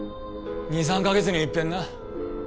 ２３か月にいっぺんな。